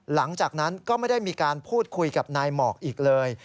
หลังจากนั้นก็ไม่ได้มีการพูดคุยกับนายหมอกอีกเลย